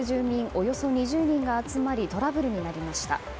およそ２０人が集まりトラブルになりました。